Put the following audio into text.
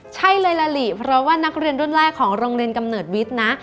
ใช่เลยล่ะลิเพราะว่านักเรียนรุ่นแรกของโรงเรียนกำเนิดวิทย์นะ